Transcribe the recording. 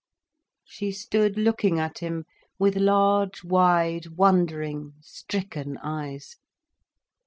She stood looking at him, with large, wide, wondering, stricken eyes.